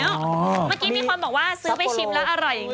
เมื่อกี้มีคนบอกว่าซื้อไปชิมแล้วอร่อยจริง